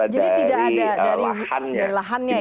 jadi tidak ada dari lahannya ya